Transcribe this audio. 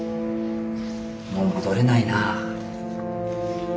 もう戻れないな。